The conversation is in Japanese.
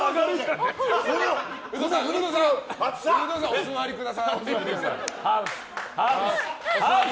お座りください。